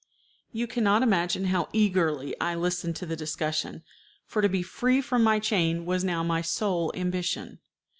You can not imagine how eagerly I listened to the discussion, for to be free from my chain was now my sole ambition.